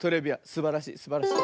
すばらしいすばらしい。